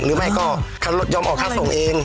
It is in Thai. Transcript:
หรือไม่ก็ยอมออกค่าส่งเอง